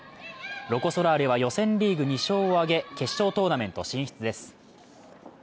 ロコ・ソラーレは予選リーグ２勝を挙げ決勝トーナメント進出です。